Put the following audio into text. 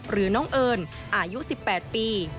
หรือน้องเอิญอายุ๑๘ปี